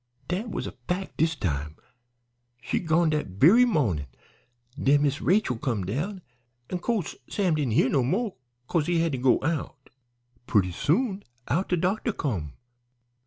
"Dat was a fac' dis time; she'd gone dat very mawnin'. Den Miss Rachel come down, an' co'se Sam didn't hear no mo' 'cause he had to go out. Purty soon out de doctor come.